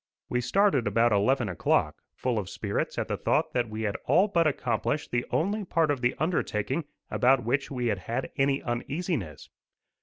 We started about eleven o'clock, full of spirits at the thought that we had all but accomplished the only part of the undertaking about which we had had any uneasiness.